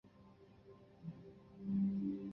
在平面上的正方形格被填上黑色或白色。